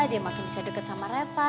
dia makin bisa deket sama reva